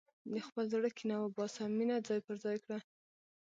د خپل زړه کینه وباسه، مینه ځای پر ځای کړه.